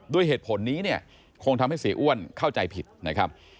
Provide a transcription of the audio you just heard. ด้วยเหตุผลนี้เนี่ยคงทำให้เสียอ้วนเข้าใจผิดนะครับ